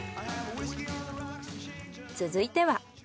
続いては。